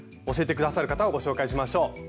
教えて下さる方をご紹介しましょう。